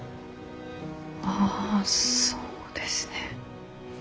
ああそうですね。